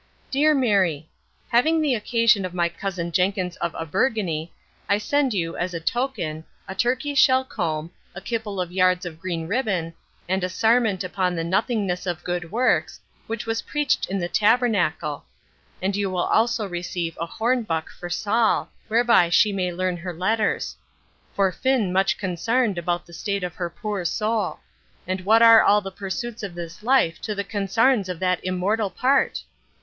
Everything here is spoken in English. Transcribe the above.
DEAR MARY, Having the occasion of my cousin Jenkins of Aberga'ny, I send you, as a token, a turkey shell comb, a kiple of yards of green ribbon, and a sarment upon the nothingness of good works, which was preached in the Tabernacle; and you will also receive a horn buck for Saul, whereby she may learn her letters; for Fin much consarned about the state of her poor sole and what are all the pursuits of this life to the consarns of that immortal part?